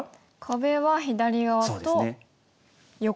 壁は左側と横。